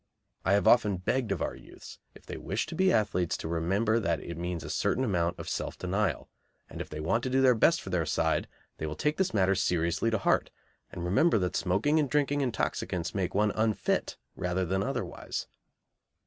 I have often begged of our youths if they wish to be athletes to remember that it means a certain amount of self denial, and if they want to do their best for their side they will take this matter seriously to heart and remember that smoking and drinking intoxicants make one unfit rather than otherwise.